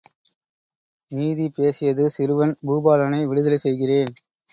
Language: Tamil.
நீதி பேசியது சிறுவன் பூபாலனை விடுதலை செய்கிறேன்.